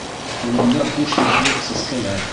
Ҡулымда хуш еҫле сәскәләр...